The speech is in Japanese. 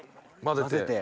混ぜて。